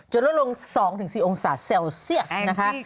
ลดลง๒๔องศาเซลเซียสนะคะ